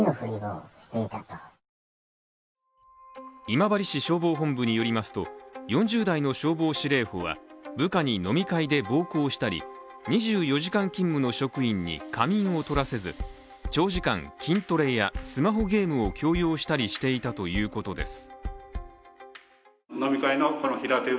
今治市消防本部によりますと４０代の消防司令補は部下に飲み会で暴行したり２４時間勤務の職員に仮眠を取らせず長時間筋トレやスマホゲームを強要したりしていたということです。